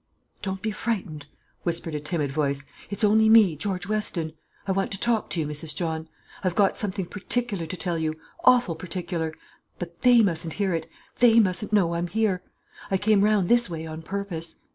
"Don't be frightened," whispered a timid voice; "it's only me, George Weston. I want to talk to you, Mrs. John. I've got something particular to tell you awful particular; but they mustn't hear it; they mustn't know I'm here. I came round this way on purpose.